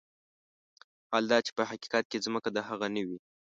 حال دا چې په حقيقت کې ځمکه د هغه نه وي.